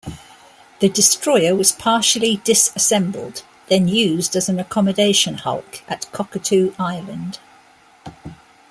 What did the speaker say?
The destroyer was partially disassembled, then used as an accommodation hulk at Cockatoo Island.